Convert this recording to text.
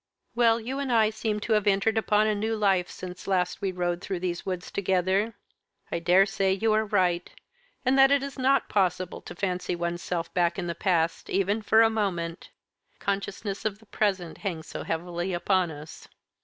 "Well, you and I seem to have entered upon a new life since last we rode through these woods together. I daresay you are right, and that it is not possible to fancy oneself back in the past, even for a moment. Consciousness of the present hangs so heavily upon us."